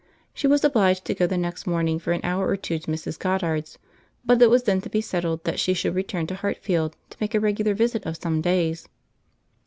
She was obliged to go the next morning for an hour or two to Mrs. Goddard's, but it was then to be settled that she should return to Hartfield, to make a regular visit of some days.